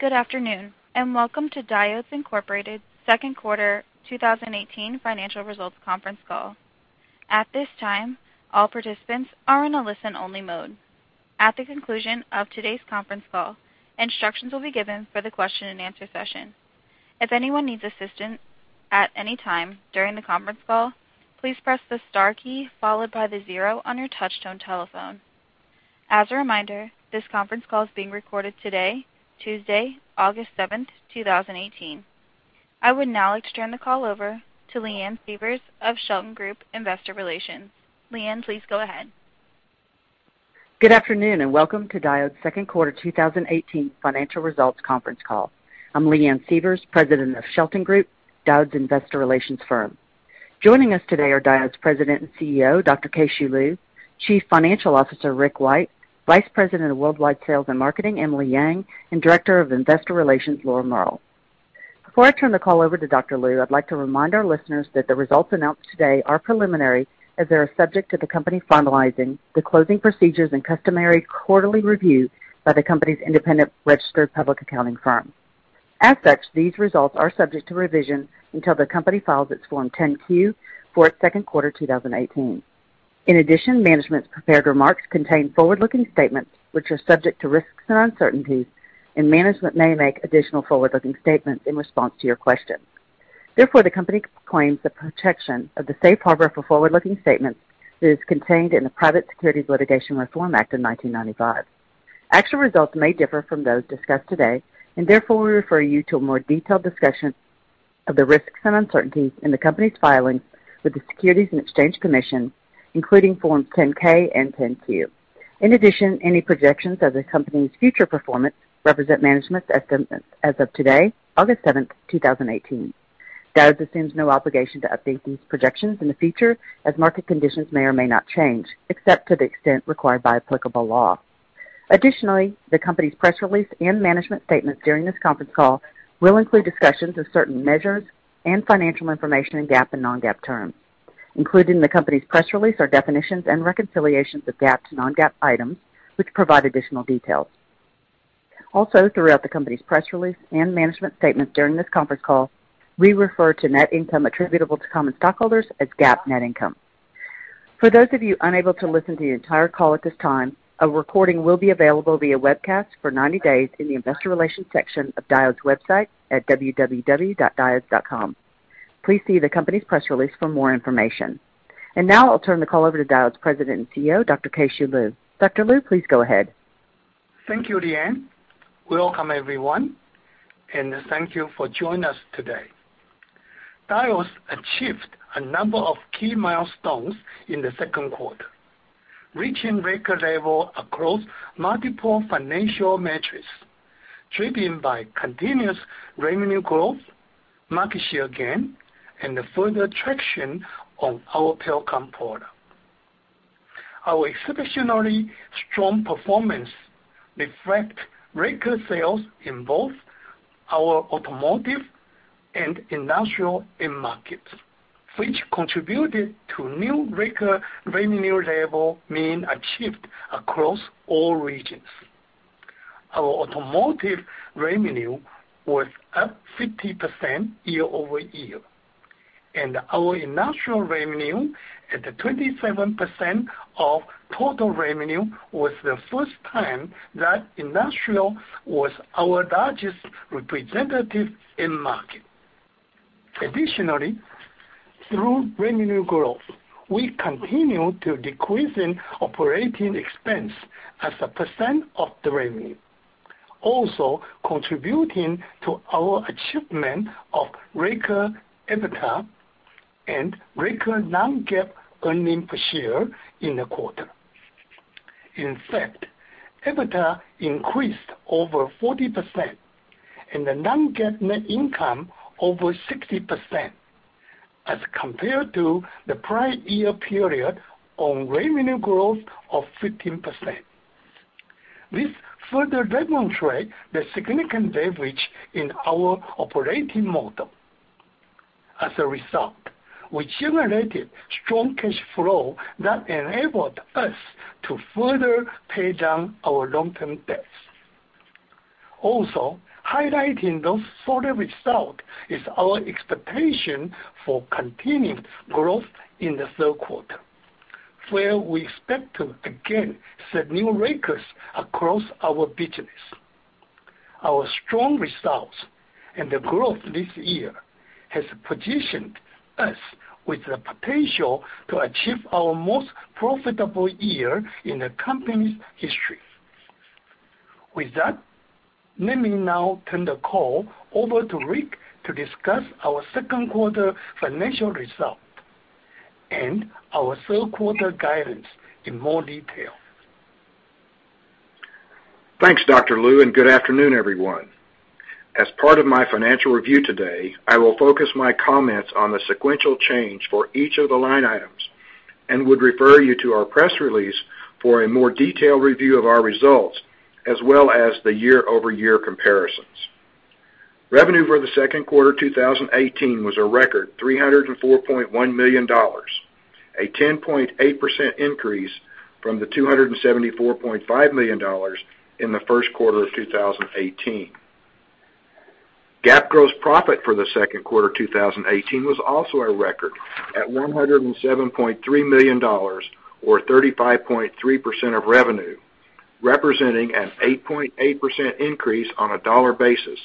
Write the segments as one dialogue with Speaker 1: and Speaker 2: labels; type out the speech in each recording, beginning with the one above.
Speaker 1: Good afternoon, and welcome to Diodes Incorporated second quarter 2018 financial results conference call. At this time, all participants are in a listen-only mode. At the conclusion of today's conference call, instructions will be given for the question and answer session. If anyone needs assistance at any time during the conference call, please press the star key followed by the zero on your touchtone telephone. As a reminder, this conference call is being recorded today, Tuesday, August seventh, 2018. I would now like to turn the call over to Leanne Sievers of Shelton Group Investor Relations. Leanne, please go ahead.
Speaker 2: Good afternoon, and welcome to Diodes second quarter 2018 financial results conference call. I'm Leanne Sievers, President of Shelton Group, Diodes investor relations firm. Joining us today are Diodes President and CEO, Dr. Keh-Shew Lu, Chief Financial Officer Richard White, Vice President of Worldwide Sales and Marketing Emily Yang, and Director of Investor Relations Laura Mehrl. Before I turn the call over to Dr. Lu, I'd like to remind our listeners that the results announced today are preliminary as they are subject to the company finalizing the closing procedures and customary quarterly review by the company's independent registered public accounting firm. As such, these results are subject to revision until the company files its Form 10-Q for its second quarter 2018. In addition, management's prepared remarks contain forward-looking statements which are subject to risks and uncertainties, and management may make additional forward-looking statements in response to your questions. Therefore, the company claims the protection of the safe harbor for forward-looking statements that is contained in the Private Securities Litigation Reform Act of 1995. Actual results may differ from those discussed today, and therefore, we refer you to a more detailed discussion of the risks and uncertainties in the company's filings with the Securities and Exchange Commission, including Form 10-K and 10-Q. In addition, any projections of the company's future performance represent management's estimates as of today, August seventh, 2018. Diodes assumes no obligation to update these projections in the future as market conditions may or may not change, except to the extent required by applicable law. Additionally, the company's press release and management statements during this conference call will include discussions of certain measures and financial information in GAAP and non-GAAP terms. Included in the company's press release are definitions and reconciliations of GAAP to non-GAAP items, which provide additional details. Also, throughout the company's press release and management statements during this conference call, we refer to net income attributable to common stockholders as GAAP net income. For those of you unable to listen to the entire call at this time, a recording will be available via webcast for 90 days in the investor relations section of Diodes website at www.diodes.com. Please see the company's press release for more information. And now I'll turn the call over to Diodes President and CEO, Dr. Keh-Shew Lu. Dr. Lu, please go ahead.
Speaker 3: Thank you, Leanne. Welcome everyone, and thank you for joining us today. Diodes achieved a number of key milestones in the second quarter, reaching record level across multiple financial metrics, driven by continuous revenue growth, market share gain, and further traction of our Pericom product. Our exceptionally strong performance reflect record sales in both our automotive and industrial end markets, which contributed to new record revenue level being achieved across all regions. Our automotive revenue was up 50% year-over-year, and our industrial revenue at 27% of total revenue was the first time that industrial was our largest representative end market. Additionally, through revenue growth, we continued to decrease in operating expense as a percent of the revenue, also contributing to our achievement of record EBITDA and record non-GAAP earnings per share in the quarter. In fact, EBITDA increased over 40% and the non-GAAP net income over 60% as compared to the prior year period on revenue growth of 15%. This further demonstrate the significant leverage in our operating model. As a result, we generated strong cash flow that enabled us to further pay down our long-term debts. Also, highlighting those solid results is our expectation for continued growth in the third quarter, where we expect to again set new records across our business. Our strong results and the growth this year has positioned us with the potential to achieve our most profitable year in the company's history. With that, let me now turn the call over to Rick to discuss our second quarter financial result and our third quarter guidance in more detail.
Speaker 4: Thanks, Dr. Lu. Good afternoon, everyone. As part of my financial review today, I will focus my comments on the sequential change for each of the line items and would refer you to our press release for a more detailed review of our results as well as the year-over-year comparisons. Revenue for the second quarter 2018 was a record $304.1 million, a 10.8% increase from the $274.5 million in the first quarter of 2018. GAAP gross profit for the second quarter 2018 was also a record at $107.3 million, or 35.3% of revenue, representing an 8.8% increase on a dollar basis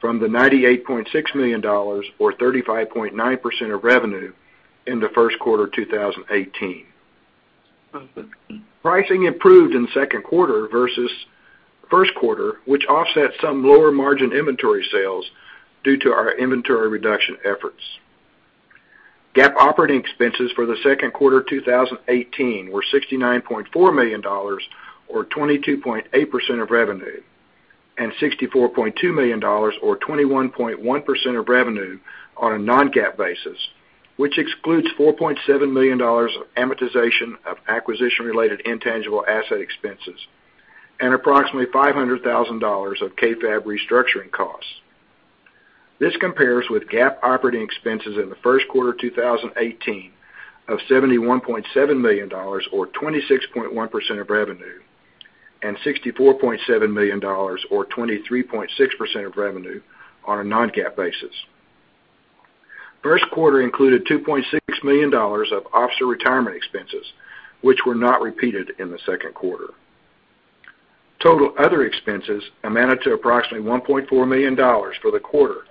Speaker 4: from the $98.6 million or 35.9% of revenue in the first quarter 2018. Pricing improved in the second quarter versus first quarter, which offset some lower margin inventory sales due to our inventory reduction efforts. GAAP operating expenses for the second quarter 2018 were $69.4 million or 22.8% of revenue, and $64.2 million or 21.1% of revenue on a non-GAAP basis, which excludes $4.7 million of amortization of acquisition-related intangible asset expenses and approximately $500,000 of KFAB restructuring costs. This compares with GAAP operating expenses in the first quarter 2018 of $71.7 million or 26.1% of revenue and $64.7 million or 23.6% of revenue on a non-GAAP basis. First quarter included $2.6 million of officer retirement expenses, which were not repeated in the second quarter. Total other expenses amounted to approximately $1.4 million for the quarter,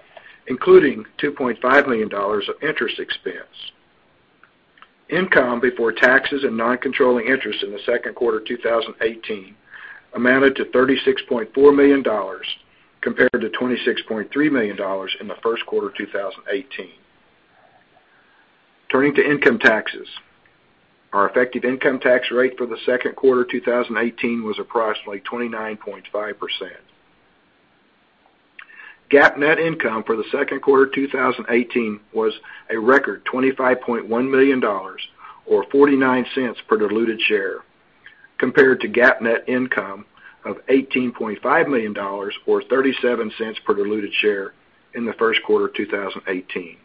Speaker 4: including $2.5 million of interest expense. Income before taxes and non-controlling interests in the second quarter 2018 amounted to $36.4 million, compared to $26.3 million in the first quarter 2018. Turning to income taxes. Our effective income tax rate for the second quarter 2018 was approximately 29.5%. GAAP net income for the second quarter 2018 was a record $25.1 million or $0.49 per diluted share, compared to GAAP net income of $18.5 million or $0.37 per diluted share in the first quarter 2018.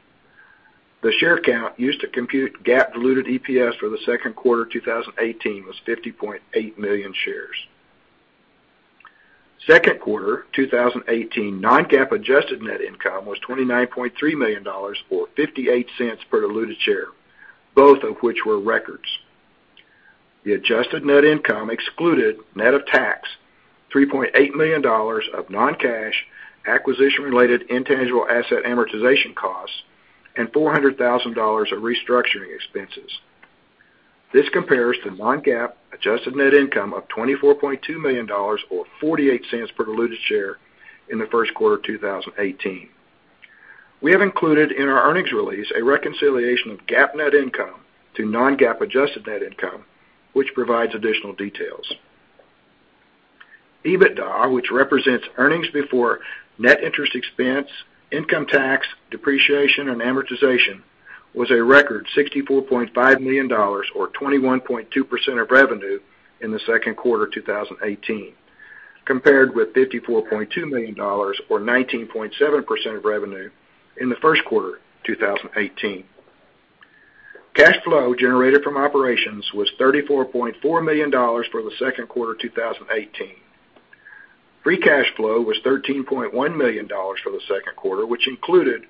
Speaker 4: The share count used to compute GAAP diluted EPS for the second quarter 2018 was 50.8 million shares. Second quarter 2018 non-GAAP adjusted net income was $29.3 million or $0.58 per diluted share, both of which were records. The adjusted net income excluded net of tax, $3.8 million of non-cash acquisition related intangible asset amortization costs and $400,000 of restructuring expenses. This compares to non-GAAP adjusted net income of $24.2 million or $0.48 per diluted share in the first quarter 2018. We have included in our earnings release a reconciliation of GAAP net income to non-GAAP adjusted net income, which provides additional details. EBITDA, which represents earnings before net interest expense, income tax, depreciation, and amortization, was a record $64.5 million, or 21.2% of revenue in the second quarter 2018, compared with $54.2 million or 19.7% of revenue in the first quarter 2018. Cash flow generated from operations was $34.4 million for the second quarter 2018. Free cash flow was $13.1 million for the second quarter, which included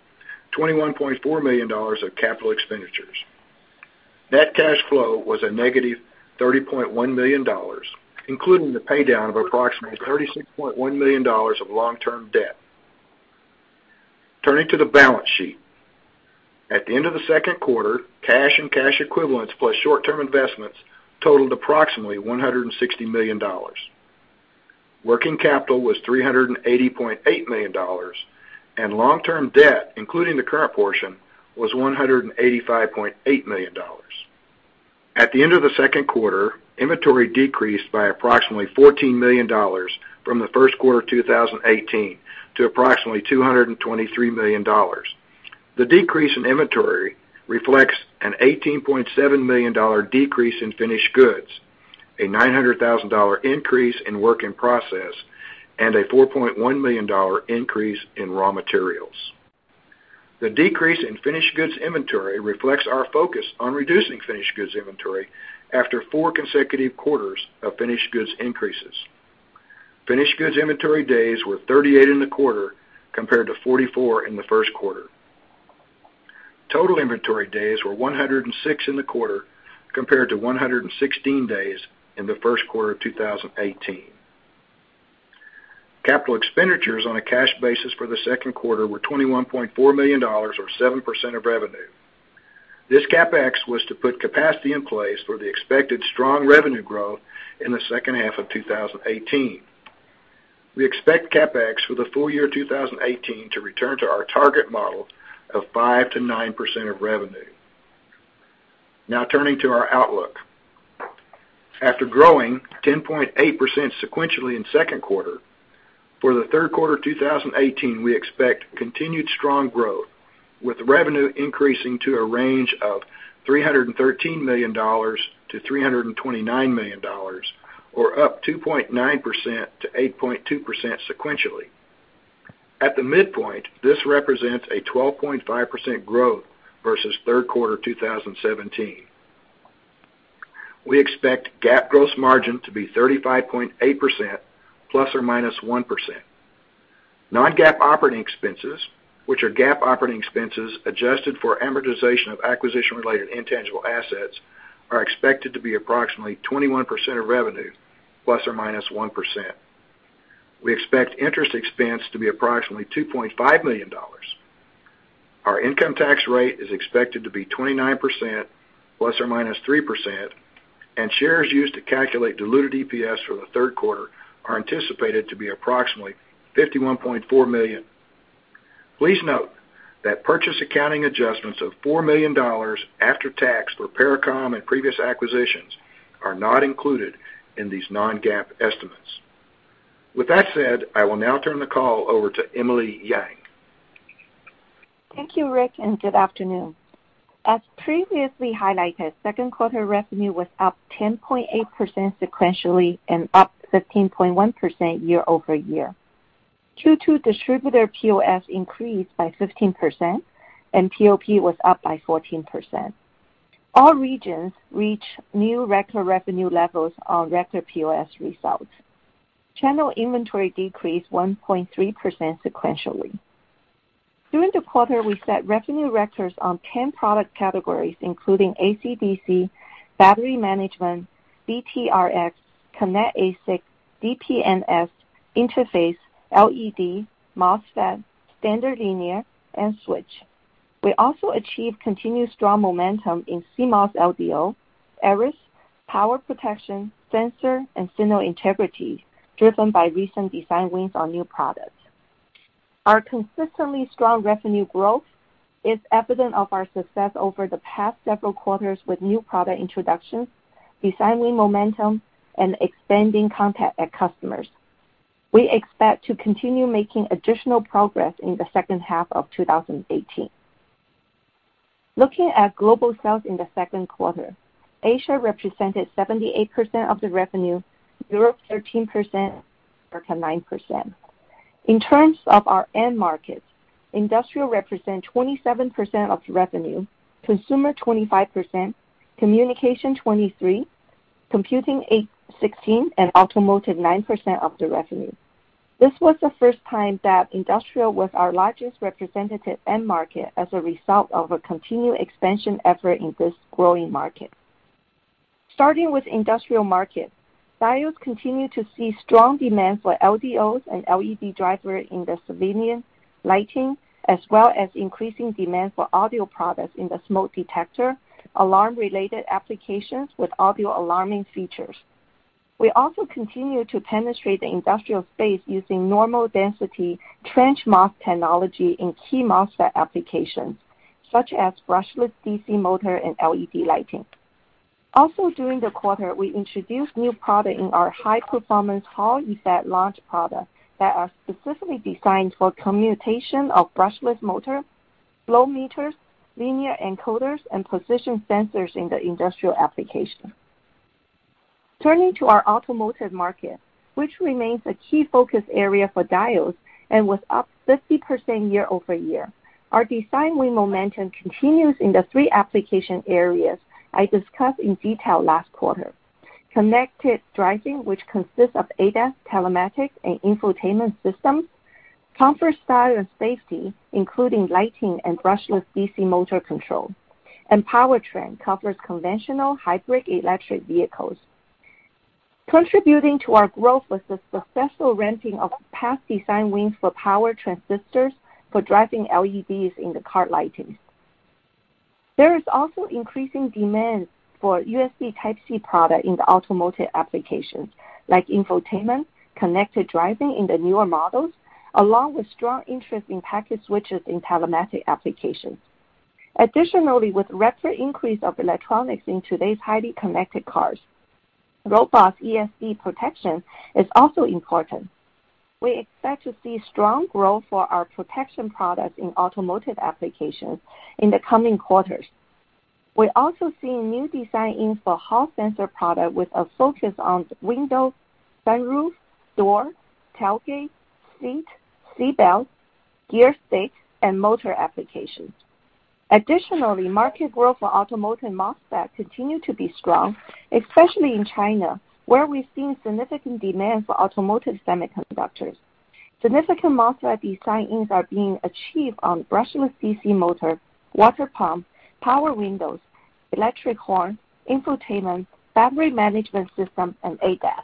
Speaker 4: $21.4 million of capital expenditures. Net cash flow was a negative $30.1 million, including the paydown of approximately $36.1 million of long-term debt. Turning to the balance sheet. At the end of the second quarter, cash and cash equivalents plus short-term investments totaled approximately $160 million. Working capital was $380.8 million, and long-term debt, including the current portion, was $185.8 million. At the end of the second quarter, inventory decreased by approximately $14 million from the first quarter 2018 to approximately $223 million. The decrease in inventory reflects an $18.7 million decrease in finished goods, a $900,000 increase in work in process, and a $4.1 million increase in raw materials. The decrease in finished goods inventory reflects our focus on reducing finished goods inventory after four consecutive quarters of finished goods increases. Finished goods inventory days were 38 in the quarter, compared to 44 in the first quarter. Total inventory days were 106 in the quarter, compared to 116 days in the first quarter of 2018. Capital expenditures on a cash basis for the second quarter were $21.4 million or 7% of revenue. This CapEx was to put capacity in place for the expected strong revenue growth in the second half of 2018. We expect CapEx for the full year 2018 to return to our target model of 5%-9% of revenue. Turning to our outlook. After growing 10.8% sequentially in second quarter, for the third quarter 2018, we expect continued strong growth with revenue increasing to a range of $313 million-$329 million or up 2.9%-8.2% sequentially. At the midpoint, this represents a 12.5% growth versus third quarter 2017. We expect GAAP gross margin to be 35.8% ±1%. Non-GAAP operating expenses, which are GAAP operating expenses adjusted for amortization of acquisition-related intangible assets, are expected to be approximately 21% of revenue ±1%. We expect interest expense to be approximately $2.5 million. Our income tax rate is expected to be 29% ±3%, and shares used to calculate diluted EPS for the third quarter are anticipated to be approximately 51.4 million. Please note that purchase accounting adjustments of $4 million after tax for Pericom and previous acquisitions are not included in these non-GAAP estimates. With that said, I will now turn the call over to Emily Yang.
Speaker 5: Thank you, Rick, and good afternoon. As previously highlighted, second quarter revenue was up 10.8% sequentially and up 15.1% year-over-year. Q2 distributor POS increased by 15%, and POP was up by 14%. All regions reach new record revenue levels on record POS results. Channel inventory decreased 1.3% sequentially. During the quarter, we set revenue records on 10 product categories, including AC-DC, Battery Management, BTRx, Connect ASIC, DP/NS, Interface, LED, MOSFET, Standard Linear, and Switch. We also achieved continued strong momentum in CMOS LDO, Eris, Power Protection, Sensor and Signal Integrity, driven by recent design wins on new products. Our consistently strong revenue growth is evidence of our success over the past several quarters with new product introductions, design win momentum, and expanding content at customers. We expect to continue making additional progress in the second half of 2018. Looking at global sales in the second quarter, Asia represented 78% of the revenue, Europe 13%, America 9%. In terms of our end markets, industrial represents 27% of the revenue, consumer 25%, communication 23%, computing 16%, and automotive 9% of the revenue. This was the first time that industrial was our largest representative end market as a result of a continued expansion effort in this growing market. Starting with industrial market, Diodes continues to see strong demand for LDOs and LED drivers in the civilian lighting, as well as increasing demand for audio products in the smoke detector, alarm-related applications with audio alarming features. We also continue to penetrate the industrial space using normal density trench MOS technology in key MOSFET applications, such as brushless DC motor and LED lighting. Also, during the quarter, we introduced new products in our high-performance Hall effect latch products that are specifically designed for commutation of brushless motor, flow meters, linear encoders, and position sensors in the industrial application. Turning to our automotive market, which remains a key focus area for Diodes and was up 50% year-over-year. Our design win momentum continues in the three application areas I discussed in detail last quarter. Connected driving, which consists of ADAS, telematics, and infotainment systems. Comfort, style, and safety, including lighting and brushless DC motor control. Powertrain covers conventional hybrid electric vehicles. Contributing to our growth was the successful ramping of past design wins for power transistors for driving LEDs in the car lighting. There is also increasing demand for USB Type-C product in the automotive applications like infotainment, connected driving in the newer models, along with strong interest in Packet Switches in telematics applications. Additionally, with rapid increase of electronics in today's highly connected cars, robust ESD protection is also important. We expect to see strong growth for our protection products in automotive applications in the coming quarters. We're also seeing new design-ins for Hall sensor product with a focus on window, sunroof, door, tailgate, seat belt, gear stick, and motor applications. Additionally, market growth for automotive MOSFET continue to be strong, especially in China, where we've seen significant demand for automotive semiconductors. Significant MOSFET design wins are being achieved on brushless DC motor, water pump, power windows, electric horn, infotainment, Battery Management system, and ADAS.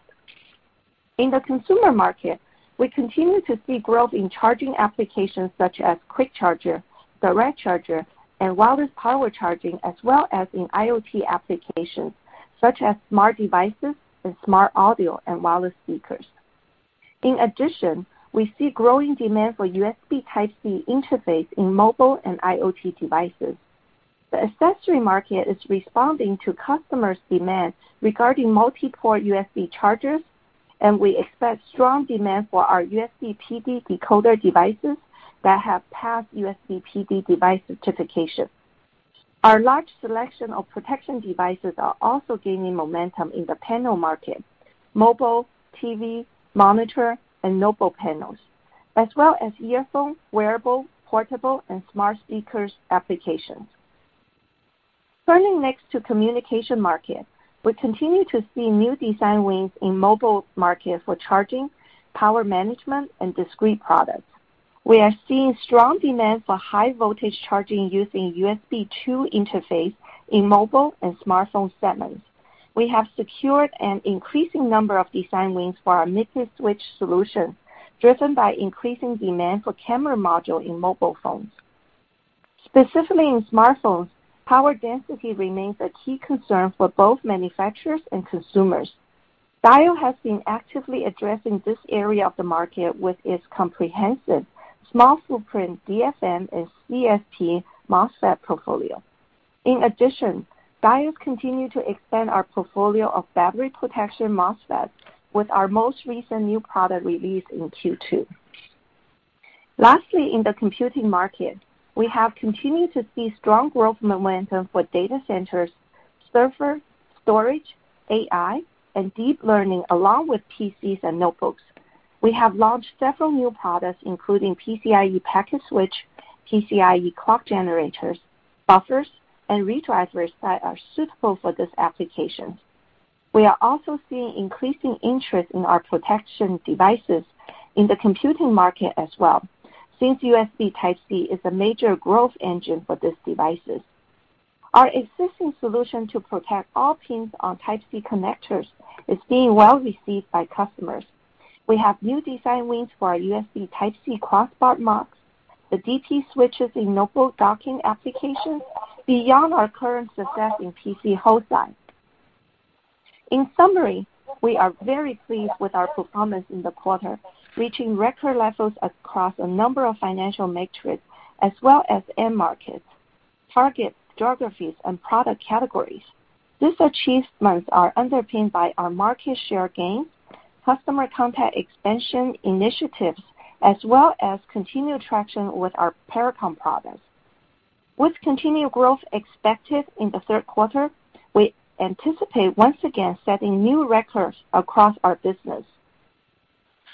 Speaker 5: In the consumer market, we continue to see growth in charging applications such as quick charger, direct charger, and wireless power charging, as well as in IoT applications such as smart devices and smart audio and wireless speakers. In addition, we see growing demand for USB Type-C Interface in mobile and IoT devices. The accessory market is responding to customers' demand regarding multi-port USB chargers, and we expect strong demand for our USB PD decoder devices that have passed USB PD device certification. Our large selection of protection devices are also gaining momentum in the panel market: mobile, TV, monitor, and notebook panels, as well as earphone, wearable, portable, and smart speakers applications. Turning next to communication market, we continue to see new design wins in mobile market for charging, power management, and discrete products. We are seeing strong demand for high voltage charging using USB 2 Interface in mobile and smartphone segments. We have secured an increasing number of design wins for our MIDAS switch solution, driven by increasing demand for camera module in mobile phones. Specifically, in smartphones, power density remains a key concern for both manufacturers and consumers. Diodes has been actively addressing this area of the market with its comprehensive small footprint DFN and CFP MOSFET portfolio. In addition, Diodes continue to expand our portfolio of Battery Protection MOSFET with our most recent new product release in Q2. Lastly, in the computing market, we have continued to see strong growth momentum for data centers, server, storage, AI, and deep learning, along with PCs and notebooks. We have launched several new products, including PCIe Packet Switch, PCIe clock generators, buffers, and ReDrivers that are suitable for this application. We are also seeing increasing interest in our protection devices in the computing market as well, since USB Type-C is a major growth engine for these devices. Our existing solution to protect all pins on Type-C connectors is being well received by customers. We have new design wins for our USB Type-C crossbar MUX, the DP switches in notebook docking applications beyond our current success in PC host side. In summary, we are very pleased with our performance in the quarter, reaching record levels across a number of financial metrics as well as end markets, target geographies, and product categories. These achievements are underpinned by our market share gain, customer contact expansion initiatives, as well as continued traction with our Pericom products. With continued growth expected in the third quarter, we anticipate once again setting new records across our business.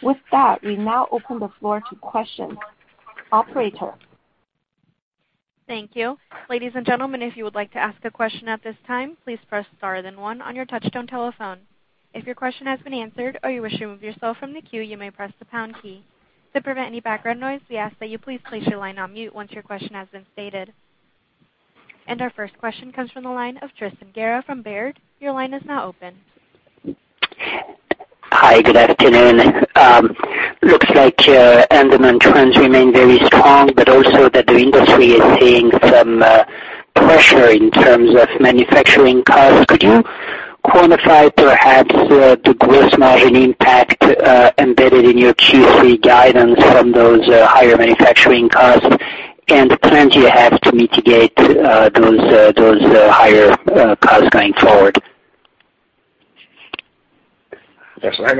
Speaker 5: With that, we now open the floor to questions. Operator.
Speaker 1: Thank you. Ladies and gentlemen, if you would like to ask a question at this time, please press star then one on your touchtone telephone. If your question has been answered or you wish to remove yourself from the queue, you may press the pound key. To prevent any background noise, we ask that you please place your line on mute once your question has been stated. Our first question comes from the line of Tristan Gerra from Baird. Your line is now open.
Speaker 6: Hi. Good afternoon. Looks like end demand trends remain very strong, but also that the industry is seeing some pressure in terms of manufacturing costs. Could you quantify perhaps the gross margin impact embedded in your Q3 guidance from those higher manufacturing costs, and the plans you have to mitigate those higher costs going forward?
Speaker 4: Yes. Hang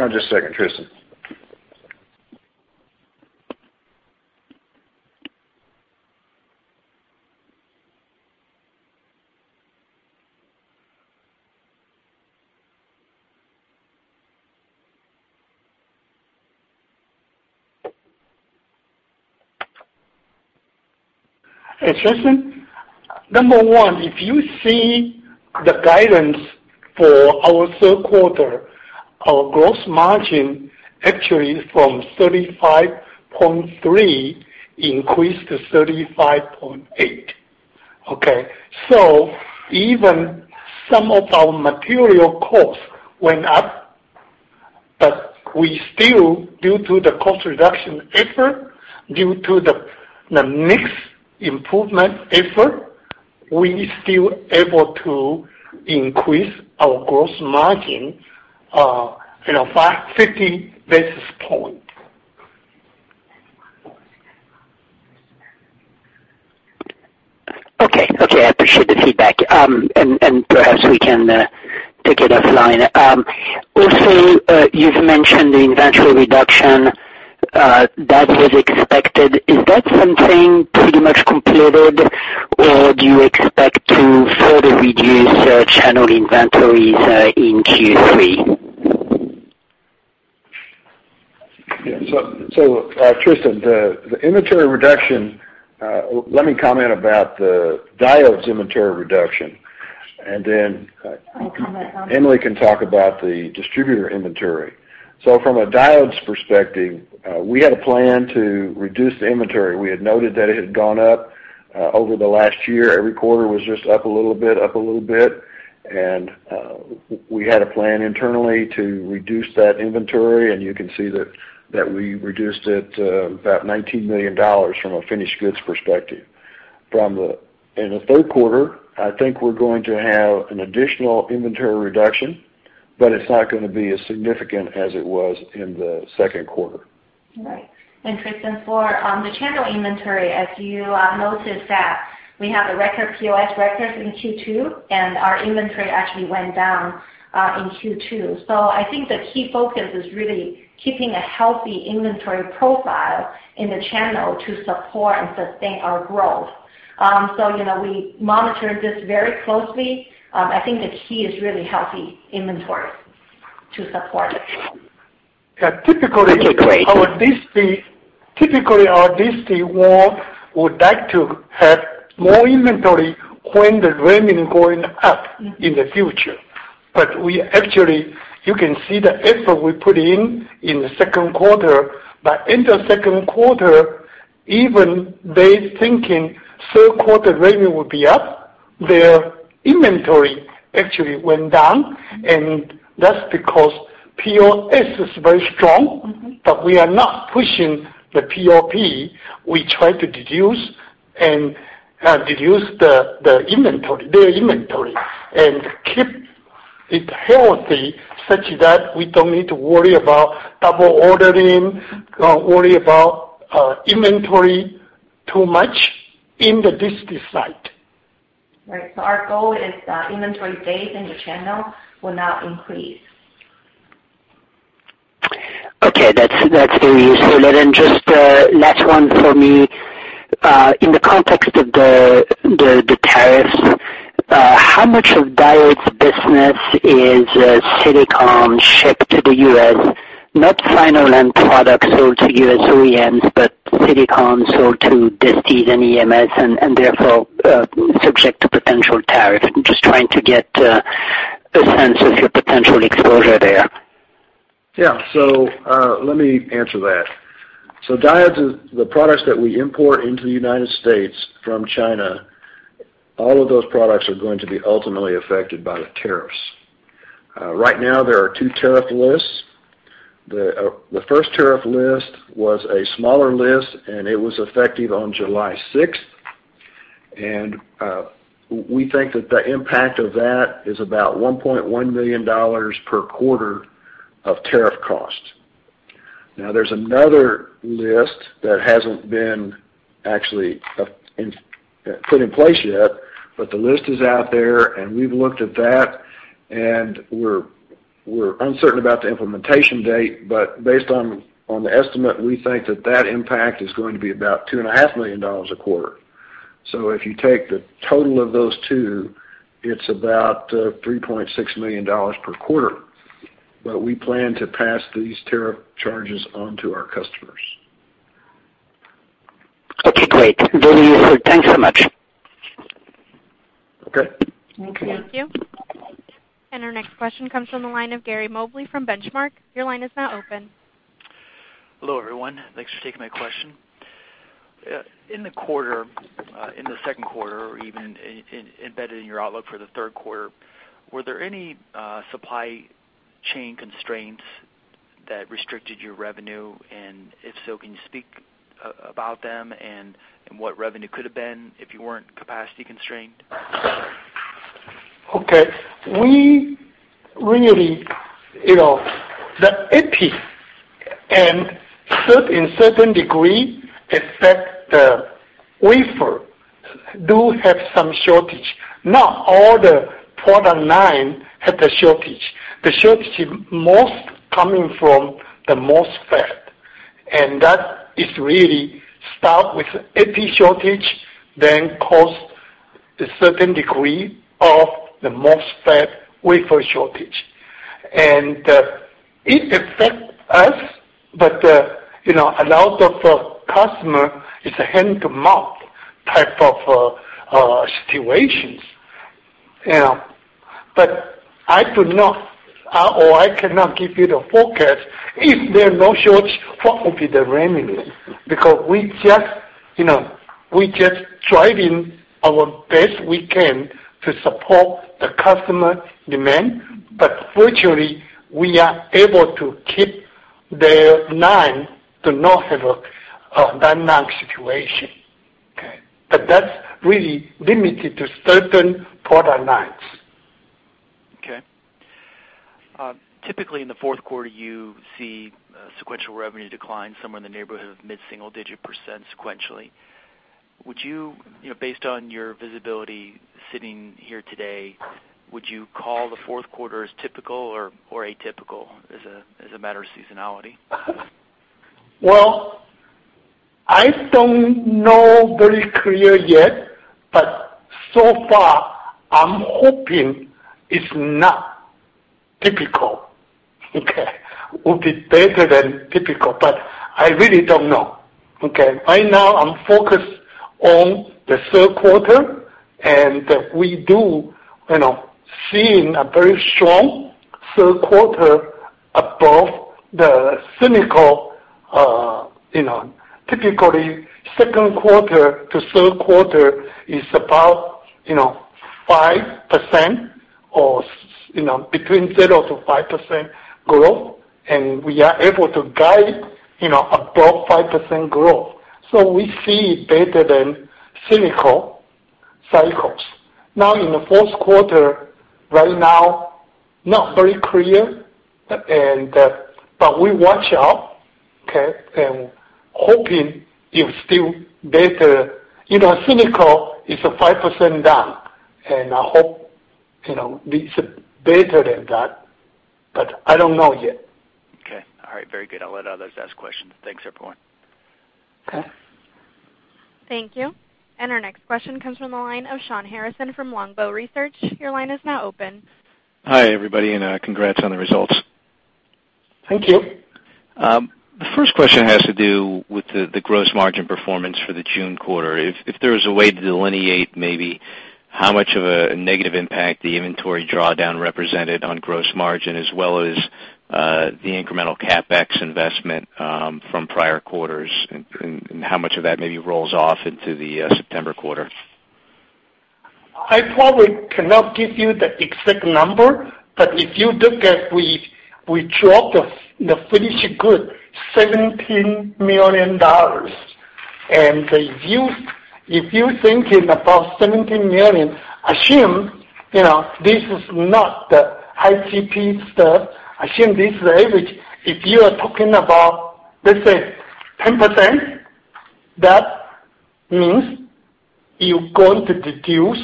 Speaker 4: on just a second, Tristan Gerra.
Speaker 3: Hey, Tristan Gerra. Number one, if you see the guidance for our third quarter, our gross margin actually from 35.3 increased to 35.8. Okay. Even some of our material costs went up, but we still, due to the cost reduction effort, due to the mix improvement effort, we still able to increase our gross margin by 50 basis points.
Speaker 6: Okay. I appreciate the feedback. Perhaps we can take it offline. Also, you've mentioned the inventory reduction. That was expected. Is that something pretty much completed, or do you expect to further reduce channel inventories in Q3?
Speaker 4: Yeah. Tristan, the inventory reduction, let me comment about the Diodes inventory reduction. I'll comment. Emily can talk about the distributor inventory. From a Diodes perspective, we had a plan to reduce the inventory. We had noted that it had gone up over the last year. Every quarter was just up a little bit. We had a plan internally to reduce that inventory, and you can see that we reduced it to about $19 million from a finished goods perspective. In the third quarter, I think we're going to have an additional inventory reduction, but it's not going to be as significant as it was in the second quarter.
Speaker 5: Right. Tristan, for the channel inventory, as you noticed that we have a record POS records in Q2, and our inventory actually went down in Q2. I think the key focus is really keeping a healthy inventory profile in the channel to support and sustain our growth. We monitor this very closely. I think the key is really healthy inventory.
Speaker 7: To support.
Speaker 3: Yeah. Okay, great. our disti, typically our disti would like to have more inventory when the revenue going up in the future. We actually, you can see the effort we put in the second quarter. In the second quarter, even they thinking third quarter revenue will be up, their inventory actually went down, and that's because POS is very strong. We are not pushing the POP. We try to reduce the inventory, their inventory, and keep it healthy such that we don't need to worry about double ordering, worry about inventory too much in the disti side.
Speaker 5: Right. Our goal is that inventory days in the channel will not increase.
Speaker 6: Okay. That's very useful. Just last one for me. In the context of the tariffs, how much of Diodes business is silicon shipped to the U.S.? Not final end product sold to U.S. OEMs, but silicon sold to distis and EMS and therefore, subject to potential tariff. I'm just trying to get a sense of your potential exposure there.
Speaker 4: Yeah. Let me answer that. Diodes, the products that we import into the U.S. from China, all of those products are going to be ultimately affected by the tariffs. Right now, there are two tariff lists. The first tariff list was a smaller list, and it was effective on July 6th. We think that the impact of that is about $1.1 million per quarter of tariff cost. There's another list that hasn't been actually put in place yet, but the list is out there, and we've looked at that, and we're uncertain about the implementation date. Based on the estimate, we think that that impact is going to be about $2.5 million a quarter. If you take the total of those two, it's about $3.6 million per quarter. We plan to pass these tariff charges on to our customers.
Speaker 6: Okay, great. Very useful. Thanks so much.
Speaker 4: Okay.
Speaker 5: Okay.
Speaker 1: Thank you. Our next question comes from the line of Gary Mobley from Benchmark. Your line is now open.
Speaker 8: Hello, everyone. Thanks for taking my question. In the quarter, in the second quarter or even embedded in your outlook for the third quarter, were there any supply chain constraints that restricted your revenue? If so, can you speak about them and what revenue could have been if you weren't capacity constrained?
Speaker 3: Okay. We really, the epi and in certain degree affect the wafer, do have some shortage. Not all the product line have the shortage. The shortage is most coming from the MOSFETs, and that is really start with epi shortage, then cause a certain degree of the MOSFETs wafer shortage. It affect us, but a lot of customer is a hand-to-mouth type of situations. I do not, or I cannot give you the forecast. If there are no shortage, what will be the revenue? We just driving our best we can to support the customer demand, but fortunately, we are able to keep their line to not have a rundown situation. Okay. That's really limited to certain product lines.
Speaker 8: Okay. Typically, in the fourth quarter, you see sequential revenue decline somewhere in the neighborhood of mid-single digit % sequentially. Would you, based on your visibility sitting here today, would you call the fourth quarter as typical or atypical as a matter of seasonality?
Speaker 3: Well, I don't know very clear yet, but so far, I'm hoping it's not typical. Okay. Would be better than typical, but I really don't know. Okay. Right now, I'm focused on the third quarter, and we do seeing a very strong third quarter above the cyclical. Typically, second quarter to third quarter is about 5% or between 0%-5% growth, and we are able to guide above 5% growth. We see better than cyclical cycles. Now in the fourth quarter, right now, not very clear, but we watch out, okay, and hoping it's still better. Cyclical is a 5% down, and I hope it's better than that, but I don't know yet.
Speaker 8: Very good. I'll let others ask questions. Thanks, everyone.
Speaker 3: Okay.
Speaker 1: Thank you. Our next question comes from the line of Shawn Harrison from Longbow Research. Your line is now open.
Speaker 9: Hi, everybody, congrats on the results.
Speaker 3: Thank you.
Speaker 9: The first question has to do with the gross margin performance for the June quarter. If there is a way to delineate maybe how much of a negative impact the inventory drawdown represented on gross margin, as well as the incremental CapEx investment from prior quarters, and how much of that maybe rolls off into the September quarter.
Speaker 3: I probably cannot give you the exact number, but if you look at, we dropped the finished good, $17 million. If you think about $17 million, assume this is not the high GP stuff. Assume this is the average. If you are talking about, let's say, 10%, that means you're going to reduce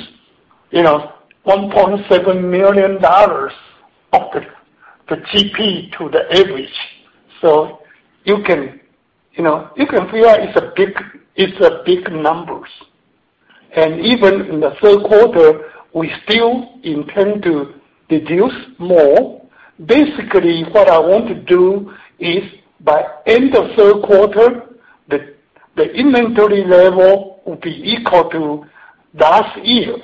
Speaker 3: $1.7 million of the GP to the average. You can figure it's big numbers. Even in the third quarter, we still intend to reduce more. Basically, what I want to do is, by end of third quarter, the inventory level will be equal to last year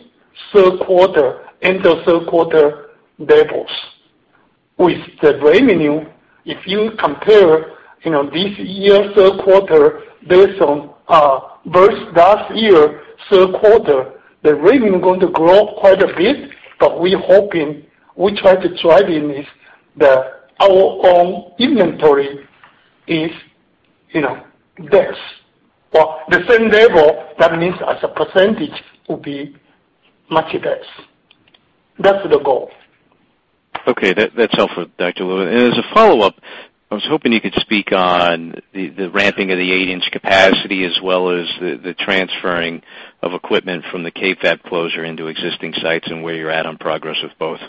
Speaker 3: third quarter, end of third quarter levels. With the revenue, if you compare this year third quarter versus last year third quarter, the revenue is going to grow quite a bit, we're hoping, we try to drive in is that our own inventory is less. The same level, that means as a percentage will be much less. That's the goal.
Speaker 9: Okay. That's helpful, Dr. Lu. As a follow-up, I was hoping you could speak on the ramping of the 8-inch capacity as well as the transferring of equipment from the KFAB closure into existing sites and where you're at on progress with both.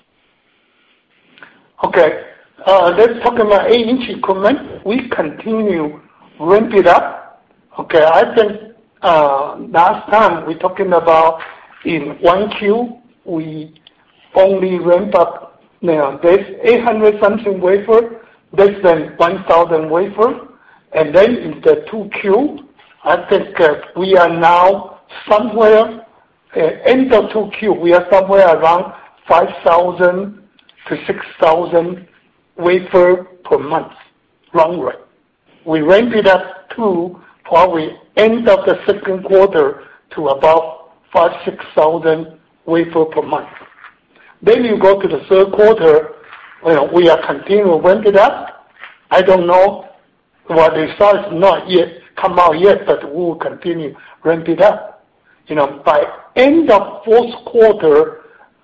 Speaker 3: Let's talk about 8-inch equipment. We continue ramp it up. I think last time we were talking about in Q1, we only ramped up this 800-something wafers, less than 1,000 wafers. In Q2, I think that we are now somewhere, end of Q2, we are somewhere around 5,000 to 6,000 wafers per month run rate. We ramped it up to probably the end of the second quarter to about 5,000-6,000 wafers per month. You go to the third quarter, we are continuing to ramp it up. I don't know what the size is, it has not yet come out, but we will continue to ramp it up. By the end of the fourth quarter,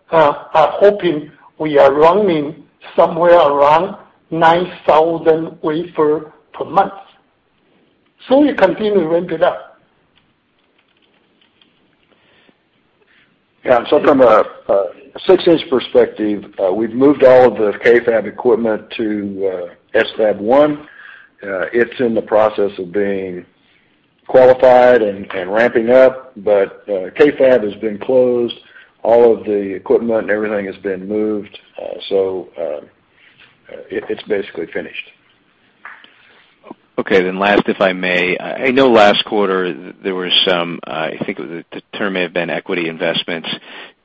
Speaker 3: hoping we are running somewhere around 9,000 wafers per month. We continue to ramp it up.
Speaker 4: From a 6-inch perspective, we've moved all of the KFAB equipment to SFAB1. It's in the process of being qualified and ramping up. KFAB has been closed. All of the equipment and everything has been moved. It's basically finished.
Speaker 9: Last, if I may. I know last quarter there were some, I think the term may have been equity investments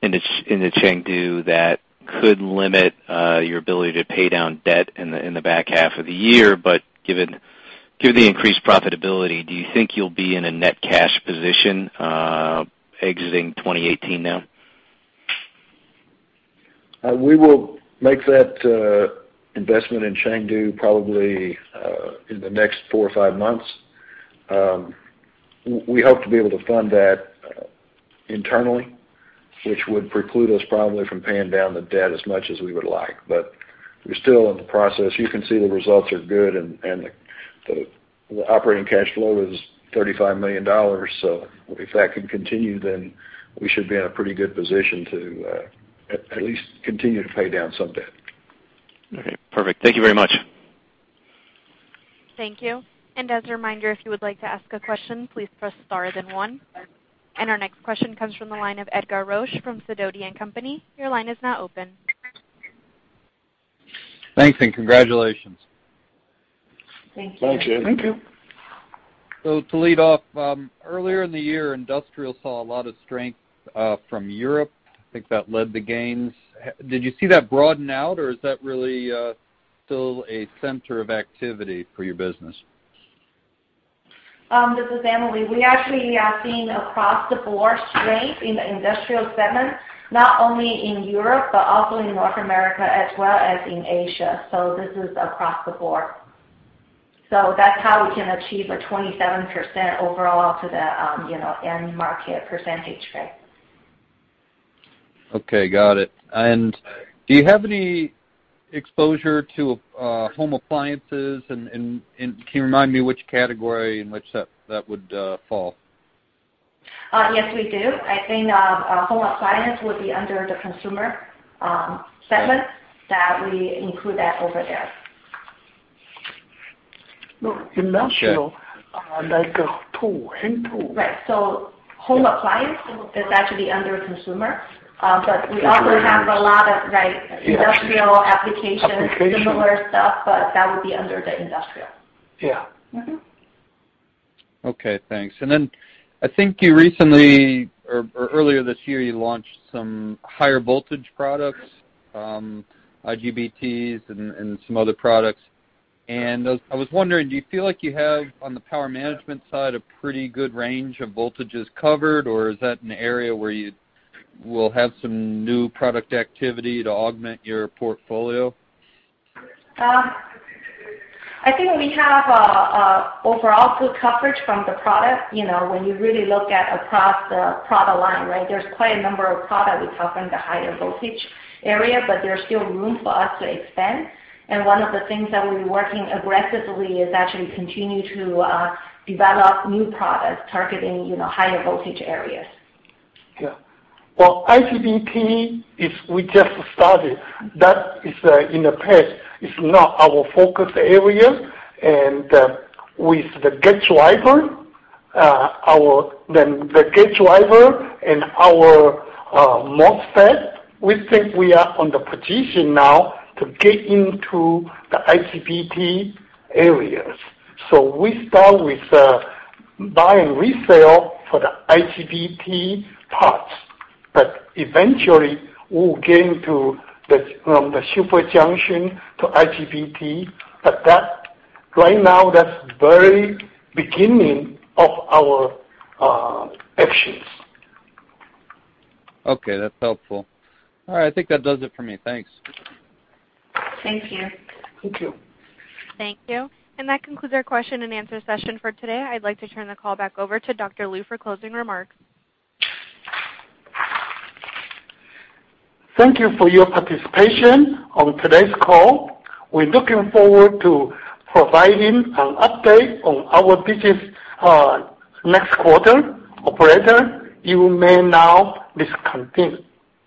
Speaker 9: in Chengdu that could limit your ability to pay down debt in the back half of the year. Given the increased profitability, do you think you'll be in a net cash position exiting 2018 now?
Speaker 4: We will make that investment in Chengdu probably in the next four or five months. We hope to be able to fund that internally, which would preclude us probably from paying down the debt as much as we would like. We're still in the process. You can see the results are good, and the operating cash flow is $35 million. If that can continue, then we should be in a pretty good position to at least continue to pay down some debt.
Speaker 9: Okay, perfect. Thank you very much.
Speaker 1: Thank you. As a reminder, if you would like to ask a question, please press star then one. Our next question comes from the line of Edgar Roesch from Sidoti & Company. Your line is now open.
Speaker 10: Thanks and congratulations.
Speaker 5: Thank you. Thank you. Thank you.
Speaker 10: To lead off, earlier in the year, industrial saw a lot of strength from Europe. I think that led the gains. Did you see that broaden out, or is that really still a center of activity for your business?
Speaker 5: This is Emily. We actually are seeing across the board strength in the industrial segment, not only in Europe, but also in North America as well as in Asia. This is across the board. That's how we can achieve a 27% overall to the end market percentage.
Speaker 10: Okay, got it. Do you have any exposure to home appliances, and can you remind me which category and which that would fall?
Speaker 5: Yes, we do. I think home appliance would be under the consumer segment, that we include that over there.
Speaker 3: No, industrial, like a tool, hand tool.
Speaker 5: Right. home appliance is actually under consumer. We also have a lot of industrial applications, similar stuff, but that would be under the industrial.
Speaker 3: Yeah.
Speaker 10: Okay, thanks. I think you recently, or earlier this year, you launched some higher voltage products, IGBTs and some other products. I was wondering, do you feel like you have, on the power management side, a pretty good range of voltages covered, or is that an area where you will have some new product activity to augment your portfolio?
Speaker 5: I think we have overall good coverage from the product. When you really look at across the product line, there's quite a number of products we cover in the higher voltage area, but there's still room for us to expand. One of the things that we'll be working aggressively is actually continue to develop new products targeting higher voltage areas.
Speaker 3: Yeah. Well, IGBT, we just started. That is, in the past, is not our focus area. With the gate driver and our MOSFETs, we think we are on the position now to get into the IGBT areas. We start with buy and resell for the IGBT parts, but eventually we'll get from the super junction to IGBT. Right now, that's very beginning of our actions.
Speaker 10: Okay, that's helpful. All right, I think that does it for me. Thanks.
Speaker 5: Thank you.
Speaker 3: Thank you.
Speaker 1: Thank you. That concludes our question and answer session for today. I'd like to turn the call back over to Dr. Lu for closing remarks.
Speaker 3: Thank you for your participation on today's call. We're looking forward to providing an update on our business next quarter. Operator, you may now disconnect.